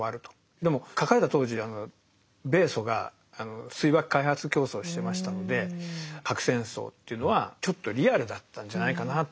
でも書かれた当時米ソが水爆開発競争をしてましたので核戦争というのはちょっとリアルだったんじゃないかな。